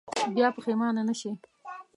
بیا پښېمانه نه شئ.